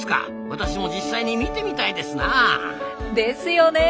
私も実際に見てみたいですなあ。ですよね。